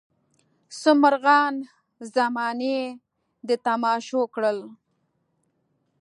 څه مرغان زمانې د تماشو کړل.